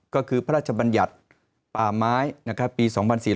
ก็คือพระราชบัญญัติป่าไม้ปี๒๔๙